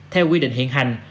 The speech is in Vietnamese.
theo quy định hiện hành